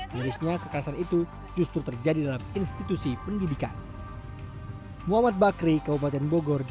mirisnya kekerasan itu justru terjadi dalam institusi pendidikan